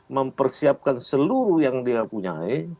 mempersiapkan seluruh yang dia punya